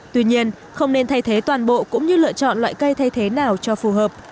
tuy nhiên không nên thay thế toàn bộ cũng như lựa chọn loại cây thay thế nào cho phù hợp